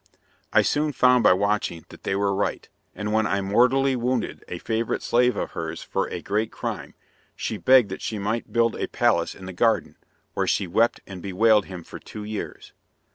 I soon found by watching that they were right, and when I mortally wounded a favourite slave of hers for a great crime, she begged that she might build a palace in the garden, where she wept and bewailed him for two years.